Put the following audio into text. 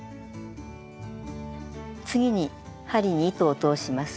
次に針に糸を通します。